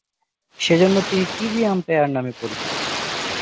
সেজন্যে তিনি TV umpire নামেও পরিচিত।